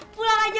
pulang aja mak